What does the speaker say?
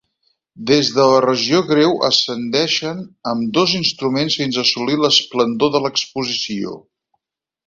Des de la regió greu ascendeixen ambdós instruments fins a assolir l'esplendor de l'exposició.